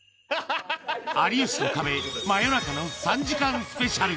有吉の壁真夜中の３時間スペシャル。